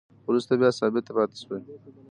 وروسته بیا ثابته پاتې شوې